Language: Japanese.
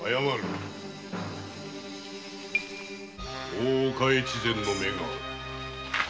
大岡の目がある。